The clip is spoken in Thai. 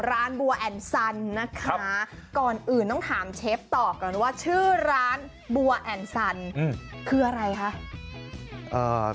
ข้างบัวแห่งสันยินดีต้อนรับสำหรับทุกท่านนะครับ